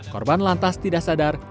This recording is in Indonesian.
korban lantas tidak sadar